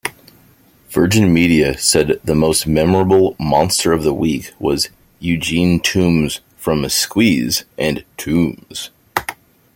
"Virgin Media" said the most memorable "Monster-of-the-Week" was "Eugene Tooms" from "Squeeze" and "Tooms".